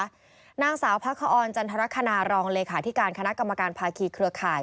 นางสาวพระคอนจันทรคณารองเลขาธิการคณะกรรมการภาคีเครือข่าย